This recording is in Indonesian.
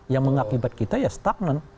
yang mengakibat kita ya stagnan